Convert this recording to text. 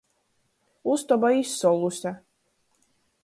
Ustoba izsoluse.